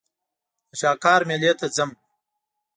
د شاکار مېلې ته ځم.